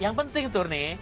yang penting tur nih